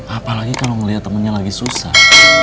apalagi kalau ngeliat temennya lagi susah